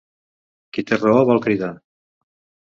Qui té raó vol cridar.